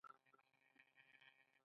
سړک د خلکو د ژغورنې لار ده.